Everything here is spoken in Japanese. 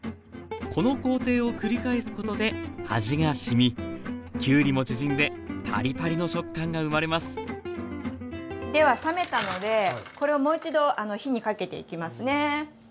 この工程を繰り返すことで味がしみきゅうりも縮んでパリパリの食感が生まれますでは冷めたのでこれをもう一度火にかけていきますね。